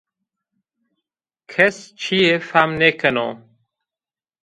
Kes çîyê fehm nêkeno